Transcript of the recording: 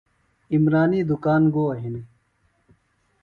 عمرانی دُکان گو ہِنیۡ ؟